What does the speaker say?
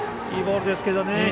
いいボールですけどね。